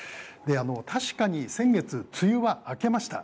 確かに先月、梅雨は明けました。